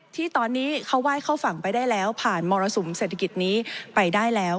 ที่ตอนนี้เขาไหว้เข้าฝั่งไปได้แล้วผ่านมรสุมเศรษฐกิจนี้ไปได้แล้ว